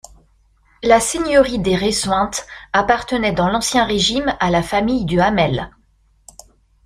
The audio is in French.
La Seigneurie des Ressuintes appartenait dans l'Ancien Régime à la famille du Hamel.